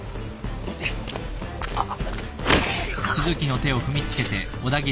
あっ。